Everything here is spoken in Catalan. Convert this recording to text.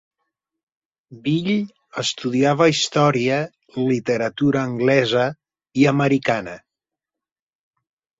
Bill, estudiava història, literatura anglesa i americana.